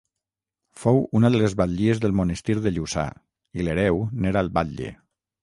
Fou una de les batllies del monestir de Lluçà i l'hereu n'era el batlle.